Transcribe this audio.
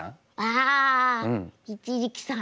ああ一力さん。